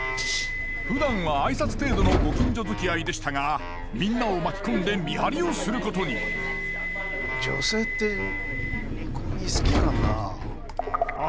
ふだんは挨拶程度のご近所づきあいでしたがみんなを巻き込んで見張りをすることに女性って煮込み好きかなあ。